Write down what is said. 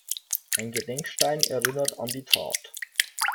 Ein Gedenkstein erinnert an die Tat.